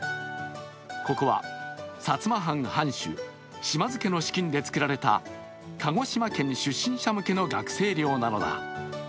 ここは薩摩藩藩主島津家の資金で造られた鹿児島県出身者向けの学生寮なのだ。